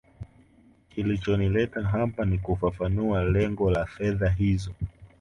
kilichonileta hapa ni kufafanua lengo la fedha hizo